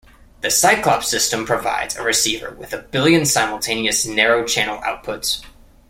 The Cyclops system provides a receiver with a billion simultaneous narrow channel outputs.